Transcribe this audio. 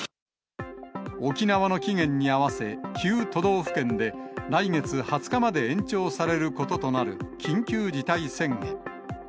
沖縄の期限に合わせ、９都道府県で来月２０日まで延長されることとなる緊急事態宣言。